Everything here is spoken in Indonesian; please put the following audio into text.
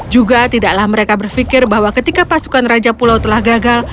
juga tidaklah mereka berfikir bahwa ketika pasukan mereka akan menemukan pangeran